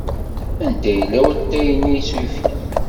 Anda yella watay-nni s uyefki?